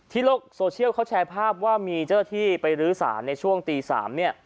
ที่โลกโซเชียลเค้าแชร์ภาพว่ามีเชื่อที่ไปลื้อสารในช่วง๑๓๐๐น